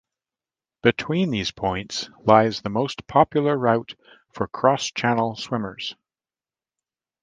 Between these points lies the most popular route for cross-channel swimmers.